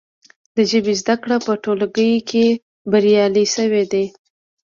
د ژبې زده کړې په ټولګیو کې بریالۍ شوي دي.